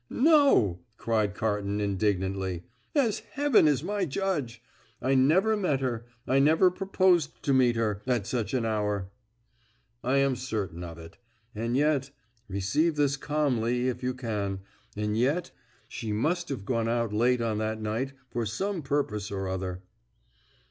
"No," cried Carton indignantly, "as Heaven is my judge! I never met her, I never proposed to meet her, at such an hour!" "I am certain of it. And yet receive this calmly, if you can and yet she must have gone out late on that night for some purpose or other."